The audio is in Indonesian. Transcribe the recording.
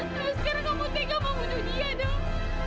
terus sekarang kamu tega membunuh dia dong